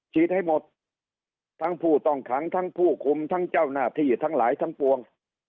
ฉีดให้หมดทั้งผู้ต้องขังทั้งผู้คุมทั้งเจ้าหน้าที่ทั้งหลายทั้งปวง